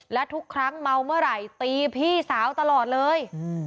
และทุกครั้งเมาเมื่อไหร่ตีพี่สาวตลอดเลย